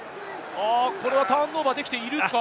ターンオーバーできているか？